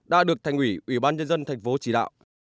đã được thành quỷ ubnd tp chỉ đạo